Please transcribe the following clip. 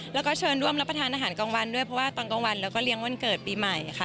แล้วก็เชิญร่วมรับประทานอาหารกลางวันด้วยเพราะว่าตอนกลางวันแล้วก็เลี้ยงวันเกิดปีใหม่ค่ะ